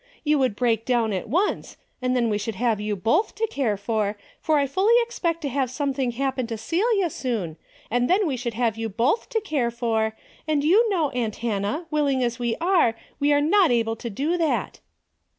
You would break down at once, and then we should have you both to care for, for I fully expect to have something happen to Celia soon, and then we should have you both to care for, and you know aunt Hannah, willing as we are, we are not able to do that."